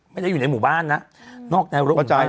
ไม่ได้อยู่ในหมู่บ้านนะนอกแนวรั้วของหมู่บ้าน